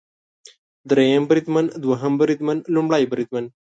دریم بریدمن، دوهم بریدمن ، لومړی بریدمن